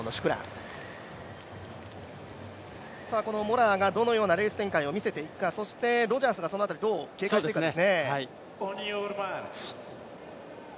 モラアがどのようなレース展開を見せていくかそしてロジャースがそのあとどのようにいくかと。